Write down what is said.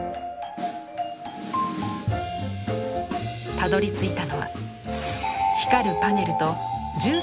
たどりついたのは光るパネルと１３．５度の傾斜。